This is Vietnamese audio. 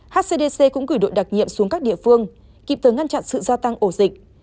hcdc cũng gửi đội đặc nhiệm xuống các địa phương kịp thời ngăn chặn sự gia tăng ổ dịch